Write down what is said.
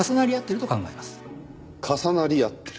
重なり合ってる？